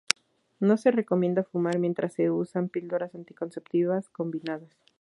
No se recomienda fumar mientras se usan píldoras anticonceptivas combinadas.